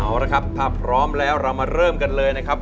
เอาละครับถ้าพร้อมแล้วเรามาเริ่มกันเลยนะครับ